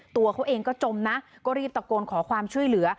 ตัวเขาเองก็จมนะก็รีบตะโกนขอความช่วยเหลือ